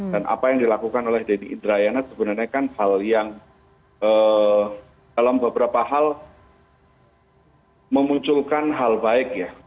dan apa yang dilakukan oleh denny indrayana sebenarnya kan hal yang dalam beberapa hal memunculkan hal baik ya